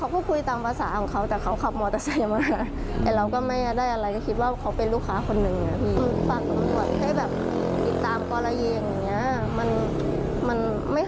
มันไม่ให้เกิดกับทุกร้าน